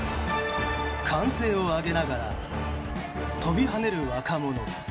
歓声を上げながら跳びはねる若者。